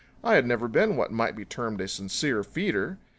I had ever been what might be termed a sincere feeder.